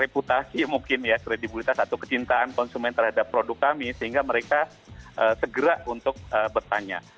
reputasi mungkin ya kredibilitas atau kecintaan konsumen terhadap produk kami sehingga mereka segera untuk bertanya